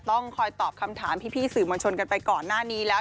ต้องคอยตอบคำถามพี่สื่อมวลชนกันไปก่อนหน้านี้แล้ว